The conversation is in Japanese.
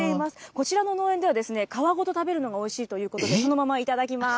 こちらの農園では、皮ごと食べるのがおいしいということで、そのままいただきます。